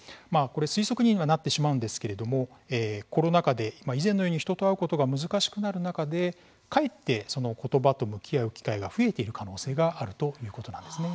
推測にはなってしまうんですけれどもコロナ禍で以前のように人と会うことが難しくなる中でかえって言葉と向き合う機会が増えている可能性があるということなんですね。